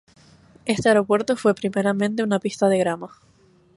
Este aeropuerto fue primeramente una pista de grama.